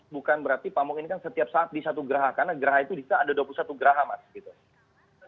bukan berarti pamung ini kan setiap saat di satu geraha karena geraha itu bisa ada dua puluh satu geraha mas gitu